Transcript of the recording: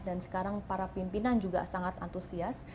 dan sekarang para pimpinan juga sangat antusias